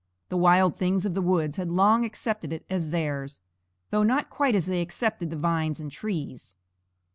The wild things of the woods had long accepted it as theirs, though not quite as they accepted the vines and trees.